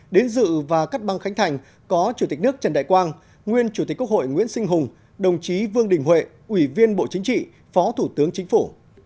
đến dự và cắt băng khánh thành có chủ tịch nước trần đại quang nguyên chủ tịch quốc hội nguyễn sinh hùng đồng chí vương đình huệ ủy viên bộ chính trị phó thủ tướng chính phủ